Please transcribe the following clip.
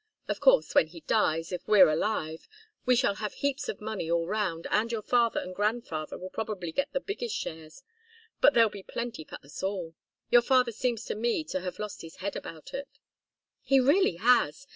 Of course, when he dies, if we're alive, we shall have heaps of money all round, and your father and grandfather will probably get the biggest shares. But there'll be plenty for us all. Your father seems to me to have lost his head about it." "He really has.